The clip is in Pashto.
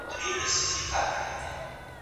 تاریخپوه وویل چې جګړې ښارونه ویجاړ کړل.